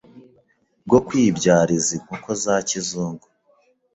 bwo kwibyariza inkoko za kizungu